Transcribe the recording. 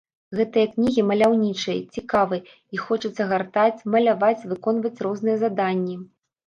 Гэтыя кнігі маляўнічыя, цікавыя, іх хочацца гартаць, маляваць выконваць розныя заданні.